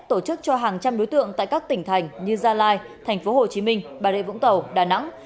tổ chức cho hàng trăm đối tượng tại các tỉnh thành như gia lai tp hcm bà rịa vũng tàu đà nẵng